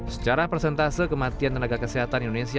secara persentase kematian tenaga kesehatan indonesia